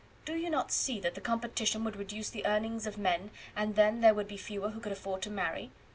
Do you not see that the competition would reduce the earnings of men, and then there would be fewer who could afford to marry?